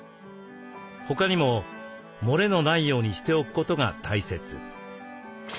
他にも漏れのないようにしておくことが大切。